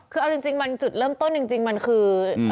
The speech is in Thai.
คือเอาจริงมันจุดเริ่มต้นจริงมันคือ